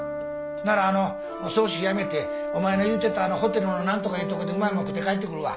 ならあのお葬式やめてお前の言うてたホテルの何とかいうとこでうまいもん食って帰ってくるわ。